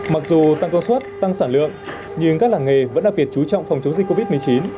mặc dù tăng công suất tăng sản lượng nhưng các làng nghề vẫn đặc biệt chú trọng phòng chống dịch covid một mươi chín